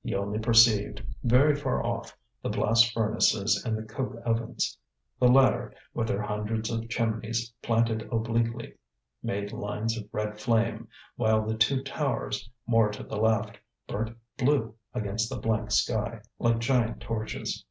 He only perceived, very far off, the blast furnaces and the coke ovens. The latter, with their hundreds of chimneys, planted obliquely, made lines of red flame; while the two towers, more to the left, burnt blue against the blank sky, like giant torches.